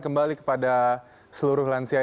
kembali kepada seluruh lansia